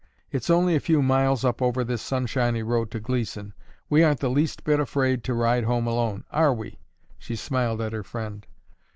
It's only a few miles up over this sunshiny road to Gleeson. We aren't the least bit afraid to ride home alone, are we?" She smiled at her friend.